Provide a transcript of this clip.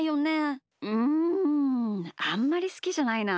うんあんまりすきじゃないな。